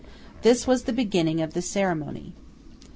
This was the beginning of the ceremony.